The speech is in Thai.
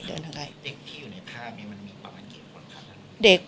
เด็กที่อยู่ในภาพนี้มันมีประมาณเกี่ยวกันค่ะ